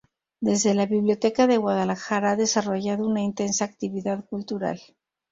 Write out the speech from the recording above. Desde la Biblioteca de Guadalajara ha desarrollado una intensa actividad cultural.